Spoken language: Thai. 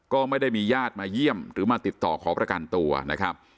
ก็ไม่ได้มีญาติมาเยี่ยมหรือมาติดต่อขอประกันตัวนะครับ